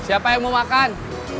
siapa yang mau makan